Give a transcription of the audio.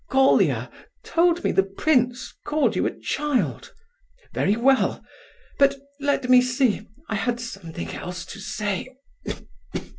Colia told me the prince called you a child—very well—but let me see, I had something else to say..."